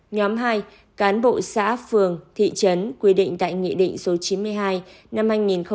nhóm hai cán bộ xã phường thị trấn quy định tại nghị định số chín mươi hai